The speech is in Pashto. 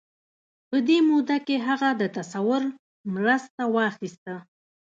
په دې موده کې هغه د تصور مرسته واخيسته.